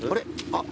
あっ。